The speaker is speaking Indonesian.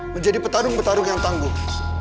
menjadi petarung petarung yang tangguh